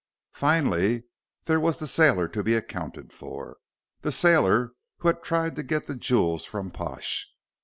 Finally, there was the sailor to be accounted for the sailor who had tried to get the jewels from Pash.